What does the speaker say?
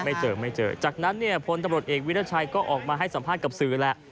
ไม่เจอไม่เจอจากนั้นเนี่ยพลตำรวจเอกวิรัชัยก็ออกมาให้สัมภาษณ์กับสื่อแหละ